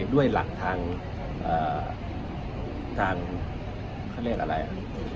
ด้วยหลักทางเขาเรียกอะไร